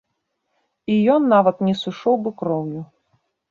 І ён нават не сышоў бы кроўю.